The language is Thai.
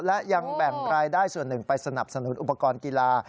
และยังแบ่งรายได้ส่วนหนึ่งไปสนับสนุนอุปกรณ์กีฬา